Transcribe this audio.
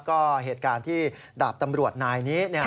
ก็เหตุการณ์ที่ดาบตำรวจนายนี้